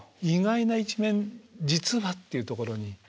意外な一面実はっていうところに。